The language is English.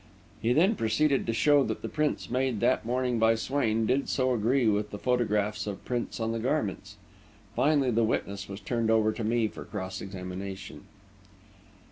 He then proceeded to show that the prints made that morning by Swain did so agree with the photographs of the prints on the garments. Finally the witness was turned over to me for cross examination.